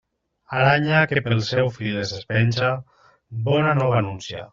Aranya que pel seu fil es despenja, bona nova anuncia.